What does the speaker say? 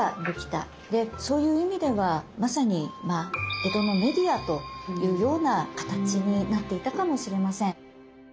そういう意味ではまさに「江戸のメディア」というような形になっていたかもしれません。